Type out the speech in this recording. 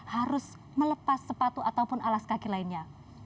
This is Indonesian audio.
harus melepas sepatu ataupun alas kaki lainnya